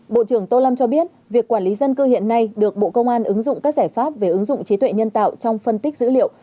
bộ trưởng tô lâm cho biết việc quản lý dân cư hiện nay được bộ công an ứng dụng các giải pháp về ứng dụng trí tuệ nhân tạo trong phân tích dữ liệu